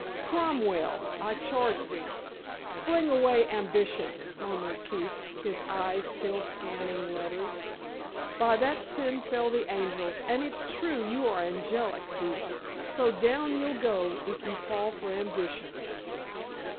"'Cromwell, I charge thee, fling away ambition,' murmured Keefe, his eyes still scanning letters; 'by that sin fell the angels,' and it's true you are angelic, Viva, so down you'll go, if you fall for ambition."